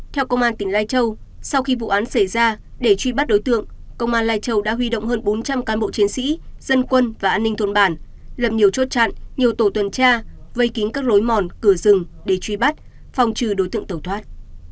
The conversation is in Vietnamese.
theo công an tỉnh lai châu sau khi vụ án xảy ra để truy bắt đối tượng công an lai châu đã huy động hơn bốn trăm linh cán bộ chiến sĩ dân quân và an ninh thôn bản lập nhiều chốt chặn nhiều tổ tuần tra vây kính các lối mòn cửa rừng để truy bắt phòng trừ đối tượng tẩu thoát